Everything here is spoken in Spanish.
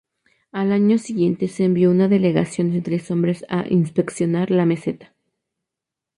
Al año siguiente se envió una delegación de tres hombres a inspeccionar la meseta.